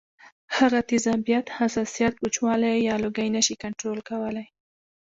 هغه تیزابیت ، حساسیت ، وچوالی یا لوګی نشي کنټرول کولی